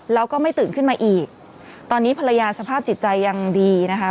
แล้วก็ไม่ตื่นขึ้นมาอีกตอนนี้ภรรยาสภาพจิตใจยังดีนะคะ